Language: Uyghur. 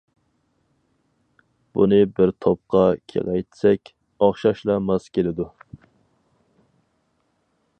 بۇنى بىر توپقا كېڭەيتسەك ئوخشاشلا ماس كېلىدۇ.